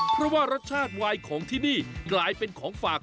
เพราะว่ารสชาติวายของที่นี่กลายเป็นของฝาก